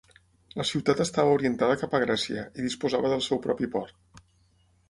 La ciutat estava orientada cap a Grècia i disposava del seu propi port.